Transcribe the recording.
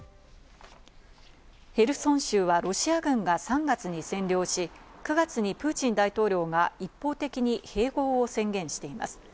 ヘルソン州はロシア軍が３月に占領し、９月にプーチン大統領が一方的に併合を宣言しています。